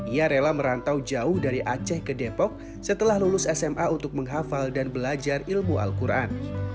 ia rela merantau jauh dari aceh ke depok setelah lulus sma untuk menghafal dan belajar ilmu al quran